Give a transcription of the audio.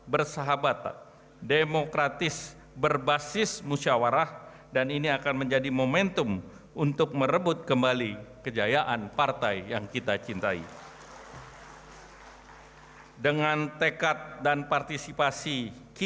bersama sama dan berjalan dengan baik